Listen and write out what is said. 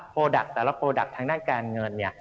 โปรดักต์แต่ละโปรดักต์ทางหน้าการเงิน